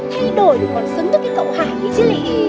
thay đổi thì còn xứng với cái cậu hải ý chứ